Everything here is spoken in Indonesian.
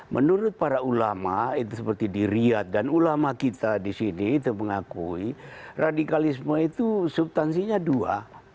menurut para ulama itu seperti di riyad dan ulama kita di sini itu mengakui radikalisme itu subtansinya dua